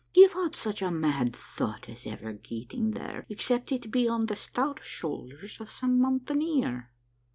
Give up such a mad thought as ever getting there, except it be on the stout shoulders of some mountaineer."